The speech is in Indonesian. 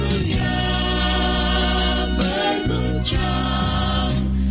ku tetap pada salib yesus